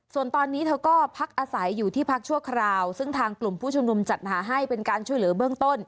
ส่วนตอนนี้เธอก็พักอาศัยอยู่ที่พักชั่วคราวซึ่งทางกลุ่มผู้ชุมนุมจัดหาให้เป็นการช่วยเหลือเบื้องต้น